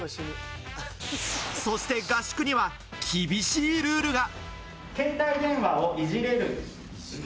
そして合宿には厳しいルールが。